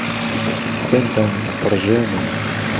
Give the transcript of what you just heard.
خوێنتان دهپڕژێنم